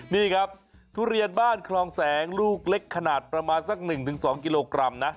นี่ครับทุเรียนบ้านคลองแสงลูกเล็กขนาดประมาณสัก๑๒กิโลกรัมนะ